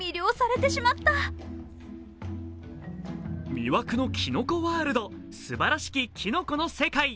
魅惑のきのこワールド「素晴らしき、きのこの世界」。